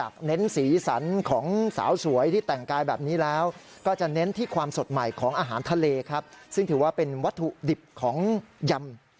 ซึ่งถือว่าเป็นวัตถุดิบของยำ